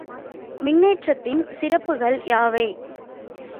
மின்னேற்றத்தின் சிறப்புகள் யாவை?